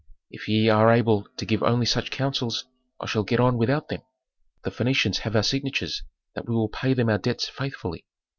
If ye are able to give only such counsels I shall get on without them. The Phœnicians have our signatures that we will pay them our debts faithfully.